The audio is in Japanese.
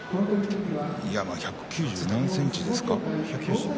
１９２ｃｍですか。